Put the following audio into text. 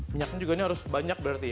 minyaknya juga ini harus banyak berarti ya